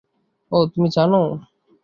ওহ, তুমি জানো?